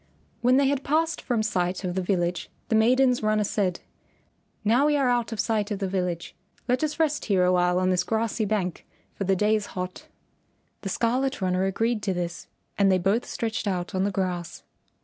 When they had passed from sight of the village the maiden's runner said, "Now we are out of sight of the village. Let us rest here a while on this grassy bank, for the day is hot." The Scarlet Runner agreed to this and they both stretched out on the grass.